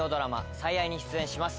「最愛」に出演します